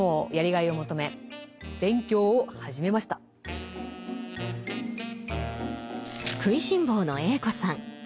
食いしん坊のＡ子さん